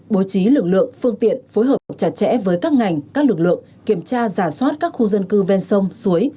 bố trí lực lượng phương tiện phối hợp chặt chẽ với các ngành các lực lượng kiểm tra giả soát các khu dân cư ven sông suối